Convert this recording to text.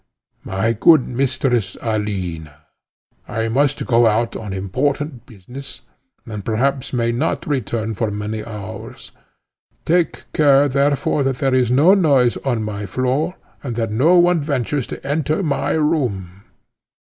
"My good Mistress Alina," he said, "I must go out on important business, and perhaps may not return for many hours. Take care, therefore, that there is no noise on my floor, and that no one ventures to enter my room.